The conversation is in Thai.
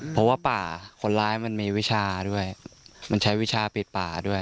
เพราะว่าป่าคนร้ายมันมีวิชาด้วยมันใช้วิชาปิดป่าด้วย